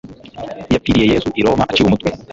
yapfiriye yezu i roma aciwe umutwe